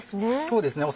そうですね。